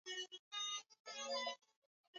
halafu na wazee wenzio wanakusikia sasa hivi